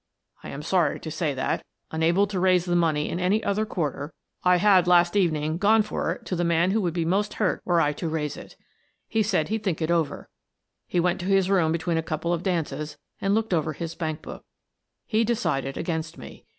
I am sorry to say that, un able to raise the money in any other quarter, I had Thou Art the Man " 139 last evening gone for it to the man who would be most hurt were I to raise it. He said he'd think it over. He went to his room between a couple of dances and looked over his bank book. He decided against me.